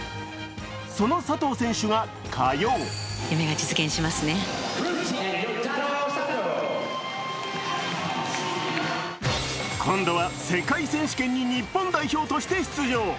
その佐藤選手が火曜今度は世界選手権に日本代表として出場。